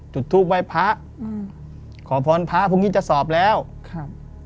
จุดทูปไว้พระอืมขอพรพระพรุ่งนี้จะสอบแล้วครับ